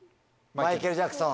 マイケル・ジャクソン。